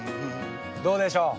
どうでしょう？